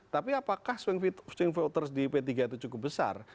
tapi apakah swing voters di p tiga itu cukup besar